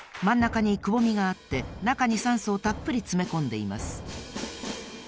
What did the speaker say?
まんなかにくぼみがあってなかに酸素をたっぷりつめこんでいます。